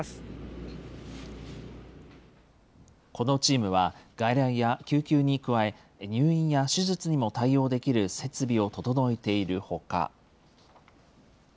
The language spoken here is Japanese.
このチームは、外来や救急に加え、入院や手術にも対応できる設備を整えているほか。